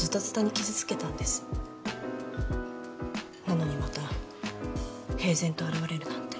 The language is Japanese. なのにまた平然と現れるなんて。